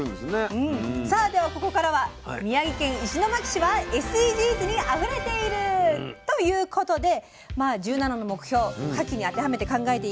さあではここからは宮城県石巻市はＳＤＧｓにあふれている⁉ということでまあ１７の目標かきに当てはめて考えていこうと思います。